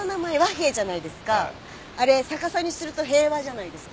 あれ逆さにすると平和じゃないですか。